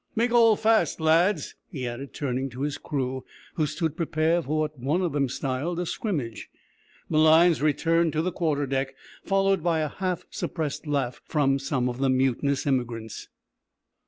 Make all fast, lads," he added, turning to his crew, who stood prepared for what one of them styled a scrimmage. Malines returned to the quarter deck, followed by a half suppressed laugh from some of the mutinous emigrants.